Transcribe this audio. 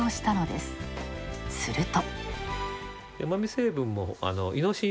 すると。